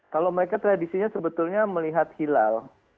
kalau mereka tradisinya sebetulnya melihat hilal